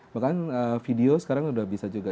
bahkan video sekarang sudah bisa juga